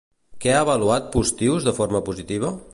Què ha avaluat Postius de forma positiva?